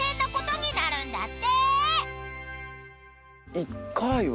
１回は。